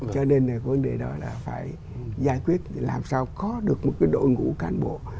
cho nên vấn đề đó là phải giải quyết làm sao có được một cái đội ngũ cán bộ